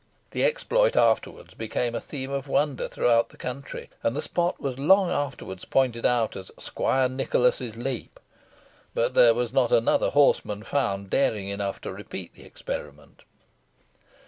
The exploit afterwards became a theme of wonder throughout the country, and the spot was long afterwards pointed out as "Squire Nicholas's Leap"; but there was not another horseman found daring enough to repeat the experiment.